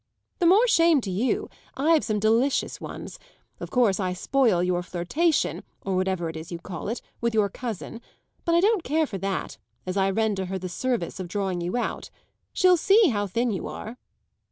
"The more shame to you; I've some delicious ones. Of course I spoil your flirtation, or whatever it is you call it, with your cousin; but I don't care for that, as I render her the service of drawing you out. She'll see how thin you are."